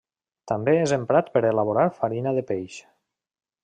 També és emprat per elaborar farina de peix.